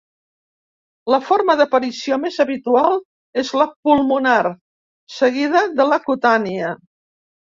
La forma d'aparició més habitual és la pulmonar, seguida de la cutània.